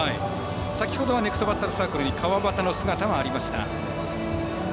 先ほどはネクストバッターズサークル川端の姿がありました。